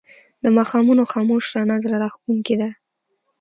د ماښامونو خاموش رڼا زړه راښکونکې ده